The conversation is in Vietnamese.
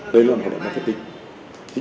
đây là một hoạt động marketing